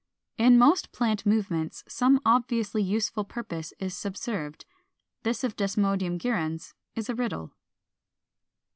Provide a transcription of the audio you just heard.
In most plant movements some obviously useful purpose is subserved: this of Desmodium gyrans is a riddle.